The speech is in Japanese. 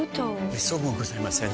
めっそうもございません。